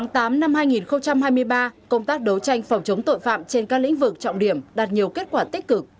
tháng tám năm hai nghìn hai mươi ba công tác đấu tranh phòng chống tội phạm trên các lĩnh vực trọng điểm đạt nhiều kết quả tích cực